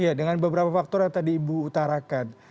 iya dengan beberapa faktor yang tadi ibu utarakan